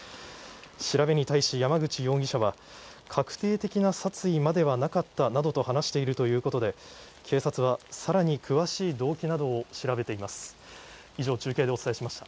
調べに対し山口容疑者は確定的な殺意まではなかったなどと話しているということで警察はさらに詳しい動機などを調べています。